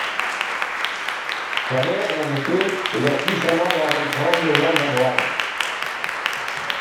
Javert en effet aida puissamment à reprendre Jean Valjean.